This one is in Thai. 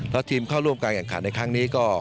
แล้วทีมเข้าร่วมการแข่งขันในครั้งนี้ก็